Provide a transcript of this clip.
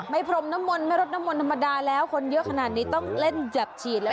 พรมน้ำมนต์ไม่รดน้ำมนต์ธรรมดาแล้วคนเยอะขนาดนี้ต้องเล่นจับฉีดแล้ว